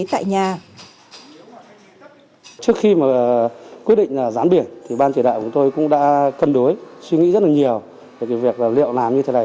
trước khi mà quyết định rán biển thì ban thủy đại của tôi cũng đã cân đối suy nghĩ rất là nhiều về việc liệu làm như thế này